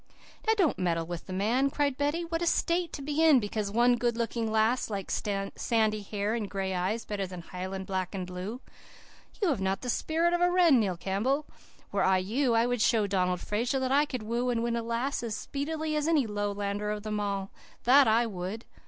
"'Now, don't meddle with the man,' cried Betty. 'What a state to be in because one good looking lass likes sandy hair and gray eyes better than Highland black and blue! You have not the spirit of a wren, Neil Campbell. Were I you, I would show Donald Fraser that I could woo and win a lass as speedily as any Lowlander of them all; that I would!